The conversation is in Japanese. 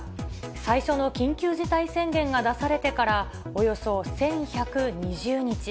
最初の緊急事態宣言が出されてからおよそ１１２０日。